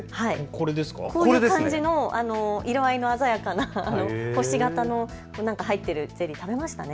こういう感じの色合いが鮮やかな星形の何かが入っているゼリー。ありましたね